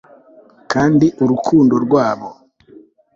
kandi urukundo rwabo